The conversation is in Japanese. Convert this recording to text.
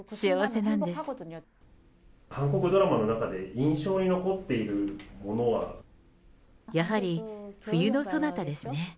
韓国ドラマの中で、やはり冬のソナタですね。